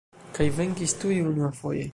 Kaj venkis tuj unuafoje.